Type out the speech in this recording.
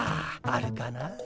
あるかな。